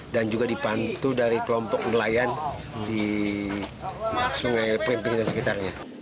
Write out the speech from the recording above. dan juga dipantu dari kelompok nelayan di sungai perimping dan sekitarnya